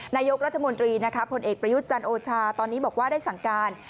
นายกรัฐมนตรีนะคะผลเอกประยุทธ์จันทร์โอชาตอนนี้บอกว่าได้สั่งการ